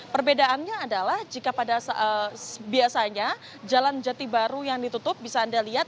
perbedaannya adalah jika pada saat biasanya jalan jati baru yang ditutup bisa anda lihat